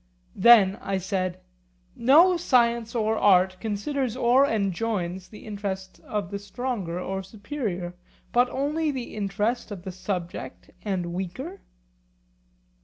Then, I said, no science or art considers or enjoins the interest of the stronger or superior, but only the interest of the subject and weaker?